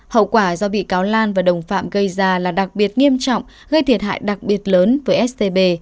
hậu quả do bị cáo lan và đồng phạm gây ra là đặc biệt nghiêm trọng gây thiệt hại đặc biệt lớn với stb